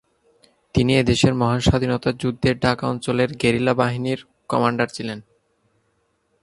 তিনি এদেশের মহান স্বাধীনতা যুদ্ধে ঢাকা অঞ্চলের গেরিলা বাহিনীর কমান্ডার ছিলেন।